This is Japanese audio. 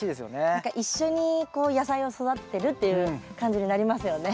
何か一緒にこう野菜を育ててるっていう感じになりますよね。